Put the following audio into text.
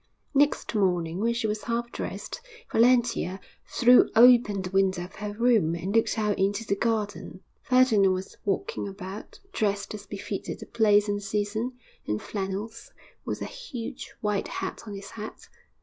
Next morning, when she was half dressed, Valentia threw open the window of her room, and looked out into the garden. Ferdinand was walking about, dressed as befitted the place and season in flannels with a huge white hat on his head.